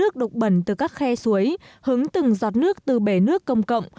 tục bẩn từ các khe suối hứng từng giọt nước từ bể nước công cộng